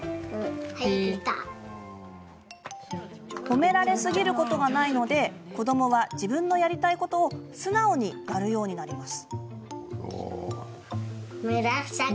褒められすぎることがないので子どもは自分のやりたいことを素直にやるようになります。